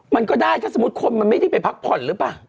มันก็ได้ถ้าสมมุติคนมันไม่ได้ไปพักผ่อนหรือเปล่า